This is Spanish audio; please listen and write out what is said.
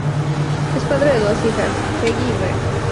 Es padre de dos hijos, Paige y Brett.